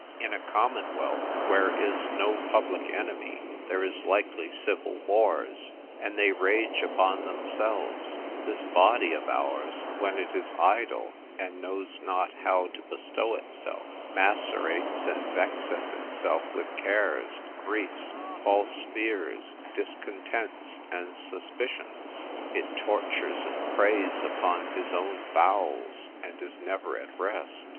In a commonwealth, where is no public enemy, there is likely civil wars, and they rage upon themselves: this body of ours, when it is idle, and knows not how to bestow itself, macerates and vexeth itself with cares, griefs, false fears, discontents, and suspicions; it tortures and preys upon his own bowels, and is never at rest.